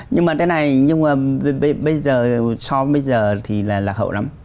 nhưng mà cái này nhưng mà bây giờ so với bây giờ thì là lạc hậu lắm